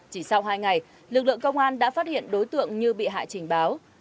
chỉ sau hai ngày lực lượng công an đã phát hiện đối tượng như bị hại trình báo